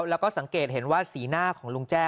แล้วก็สังเกตเห็นว่าสีหน้าของลุงแจ้